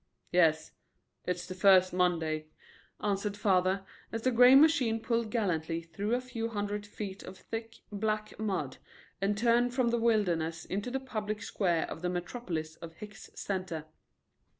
"Yes; it's the first Monday," answered father, as the gray machine pulled gallantly through a few hundred feet of thick, black mud and turned from the wilderness into the public square of the metropolis of Hicks Center.